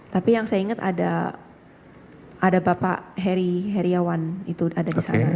tapi yang saya ingat ada bapak heriawan itu ada di sana